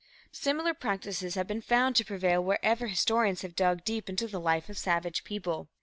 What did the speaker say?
Similar practices have been found to prevail wherever historians have dug deep into the life of savage people.